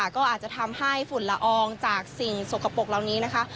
ก็อาจจะทำให้ฝุ่นละอองจากสิ่งสกปรกเหล่านี้นะคะ